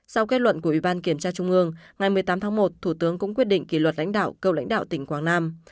sau kết luận của ủy ban kiểm tra trung ương ngày một mươi tám tháng một thủ tướng cũng quyết định kỷ luật lãnh đạo cựu lãnh đạo tỉnh quảng nam